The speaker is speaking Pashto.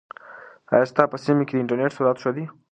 ایا ستا په سیمه کې د انټرنیټ سرعت ښه دی؟